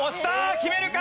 決めるか？